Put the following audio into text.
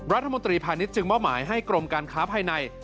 รัฐมนตรีพาณิชยจึงมอบหมายให้กรมการค้าภายใน